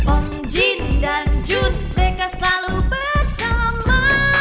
om jin dan jun mereka selalu bersama